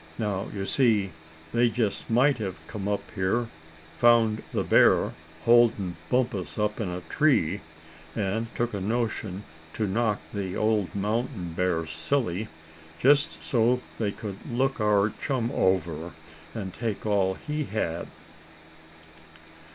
Now, you see, they just might have come up here, found the bear holdin' Bumpus up in a tree, and took a notion to knock the old mountain bear silly, just so they could look our chum over, and take all he had."